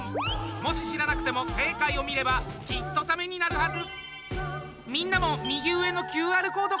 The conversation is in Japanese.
もし知らなくても正解を見ればきっとためになるはず。